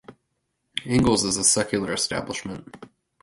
Ingalls is a secular establishment.